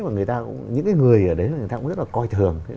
những cái người ở đấy là người ta cũng rất là coi thường